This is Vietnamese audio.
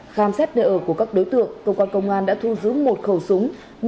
khám xét nơi ở của các đối tượng công an đã thu giữ một khẩu súng